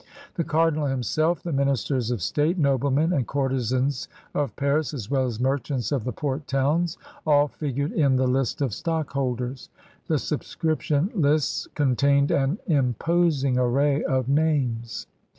The cardinal himself, the ministers of state, noblemen, and courtesans of Paris, as well as merchants of the port towns, all figured in the list of stockholders. The subscription lists con tained an imposing array of names.